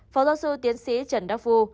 phó giáo sư tiến sĩ trần đắc phu